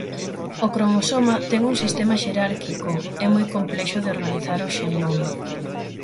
O cromosoma ten un sistema xerárquico e moi complexo de organizar o xenoma.